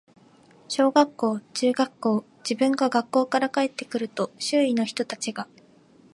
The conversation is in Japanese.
小学校、中学校、自分が学校から帰って来ると、周囲の人たちが、